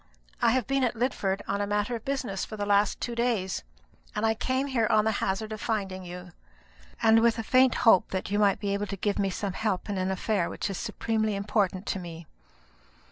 I have been at Lidford on a matter of business for the last two days; and I came here on the hazard of finding you, and with a faint hope that you might be able to give me some help in an affair which is supremely important to me."